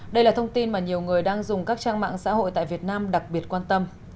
đây là thông tin mà nhiều người đang dùng các trang mạng xã hội tại việt nam đặc biệt quan tâm